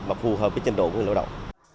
mà phù hợp với chế độ của người lao động